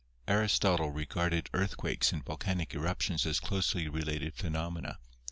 Aristotle regarded earthquakes and volcanic eruptions as closely related phenomena.